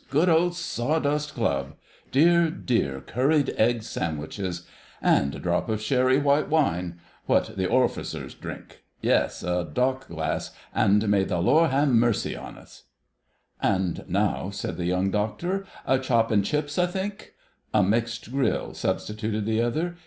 Good old Sawdust Club! Dear, dear, curried egg sandwiches! ... And a drop of sherry white wine 'what the orficers drinks'—yes, in a dock glass, and may the Lord ha' mercy on us!" "And now," said the Young Doctor, "a 'chop and chips,' I think." "A mixed grill," substituted the other.